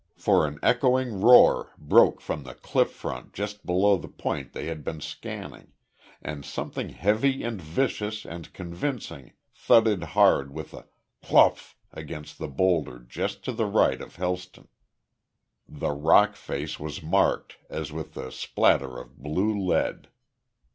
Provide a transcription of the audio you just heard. For an echoing roar broke from the cliff front just below the point they had been scanning, and something heavy and vicious and convincing thudded hard with a "klopf" against a boulder just to the right of Helston. The rock face was marked as with the splatter of blue lead.